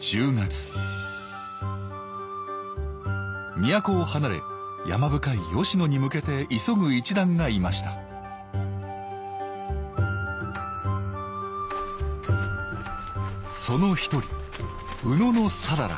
都を離れ山深い吉野に向けて急ぐ一団がいましたその一人野讃良。